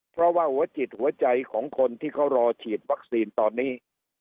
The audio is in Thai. เพราะว่าหัวจิตหัวใจของคนที่เขารอฉีดวัคซีนตอนนี้